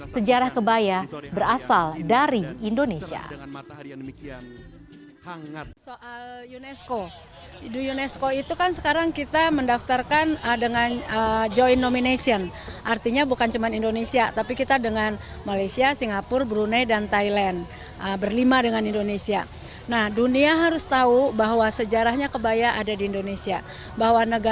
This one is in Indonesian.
sejarah kebaya berasal dari indonesia